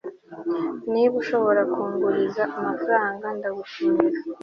niba ushobora kunguriza amafaranga, ndagushimira